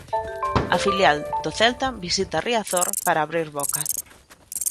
O filial do Celta visita Riazor para abrir boca.